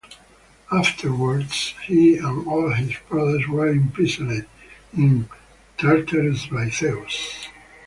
Afterwards, he and all his brothers were imprisoned in Tartarus by Zeus.